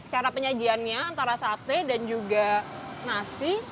cara penyajiannya antara sate dan juga nasi